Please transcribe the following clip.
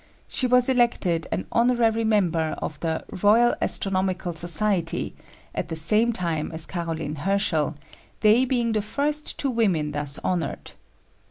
She was elected an honorary member of the Royal Astronomical Society at the same time as Caroline Herschel, they being the first two women thus honored.